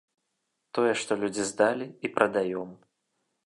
Тое, што людзі здалі, і прадаём.